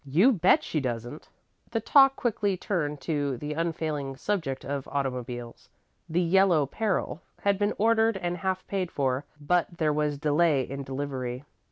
"You bet she doesn't." The talk quickly turned to the unfailing subject of automobiles. "The Yellow Peril" had been ordered and half paid for, but there was delay in delivery.